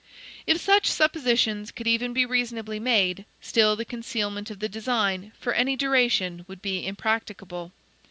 If such suppositions could even be reasonably made, still the concealment of the design, for any duration, would be impracticable.